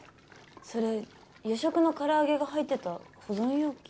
それ夜食のからあげが入ってた保存容器。